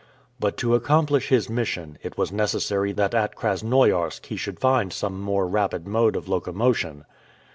But to accomplish his mission, it was necessary that at Krasnoiarsk he should find some more rapid mode of locomotion.